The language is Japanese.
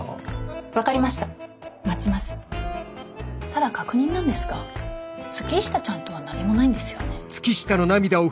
ただ確認なんですが月下ちゃんとは何もないんですよね？